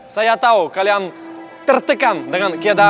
saya tau kalian tertekan dengan keadaan ini